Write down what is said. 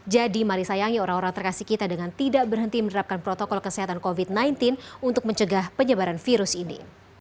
jadi mari sayangi orang orang terkasih kita dengan tidak berhenti menerapkan protokol kesehatan covid sembilan belas untuk mencegah penyebaran virus ini